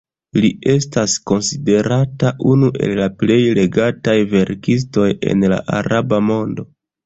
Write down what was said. Li estas konsiderata unu el la plej legataj verkistoj en la araba mondo.